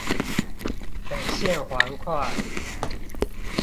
北縣環快